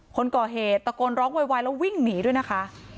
คนก่อเหตุตะโกนร้องโวยวายแล้ววิ่งหนีด้วยนะคะ